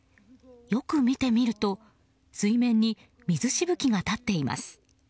よく見てみると水面に水しぶきが立っています。